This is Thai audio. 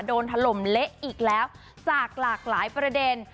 ถล่มเละอีกแล้วจากหลากหลายประเด็น